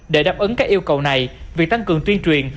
để đáp ứng các yêu cầu này việc tăng cường tuyên truyền